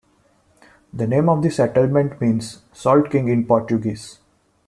The name of the settlement means "Salt King" in Portuguese.